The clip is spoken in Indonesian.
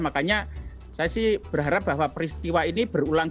makanya saya sih berharap bahwa peristiwa ini berulang